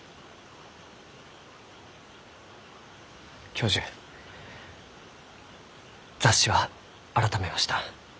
教授雑誌は改めました。